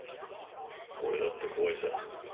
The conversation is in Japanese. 俺だって怖いさ。